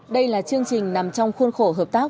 đây là chương trình nằm trong khuôn khổ hợp tác